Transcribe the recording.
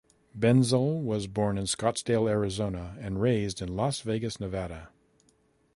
Benzel was born in Scottsdale, Arizona and raised in Las Vegas, Nevada.